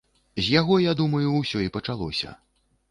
З яго, я думаю, усё і пачалося.